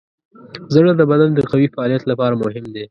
زړه د بدن د قوي فعالیت لپاره مهم دی.